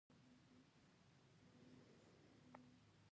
دا څه غوغا مو جوړه ده